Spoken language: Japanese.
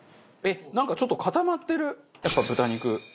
なんかちょっと固まってるやっぱ豚肉。